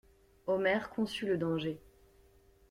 Omer conçut le danger.